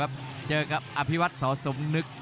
และอัพพิวัตรสอสมนึก